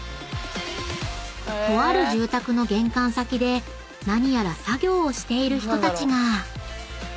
［とある住宅の玄関先で何やら作業をしている人たちが］